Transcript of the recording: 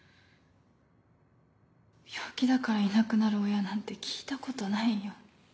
病気だからいなくなる親なんて聞いたことないよ。